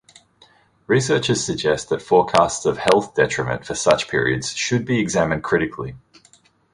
Researchers suggest that forecasts of health detriment for such periods should be examined critically.